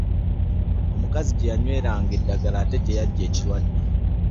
Omukazi gye yanyweranga eddagala ate gye yaggya ekirwadde.